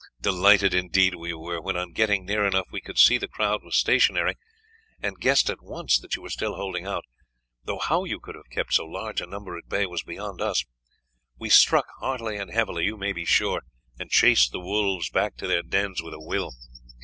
Delighted indeed we were when, on getting near enough, we could see the crowd were stationary, and guessed at once that you were still holding out though how you could have kept so large a number at bay was beyond us. We struck heartily and heavily, you may be sure, and chased the wolves back to their dens with a will.